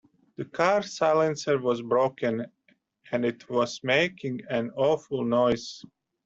The car’s silencer was broken, and it was making an awful noise